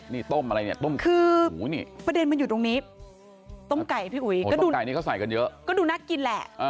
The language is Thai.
นี่ต้มอะไรเนี่ยคือประเด็นมันอยู่ตรงนี้ต้มไก่พี่อุ๋ยก็ดูน่ากินแหละ